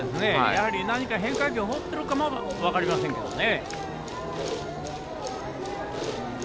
やはり何か変化球をもっているか分かりませんがね。